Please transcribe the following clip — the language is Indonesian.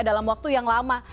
dalam waktu yang lama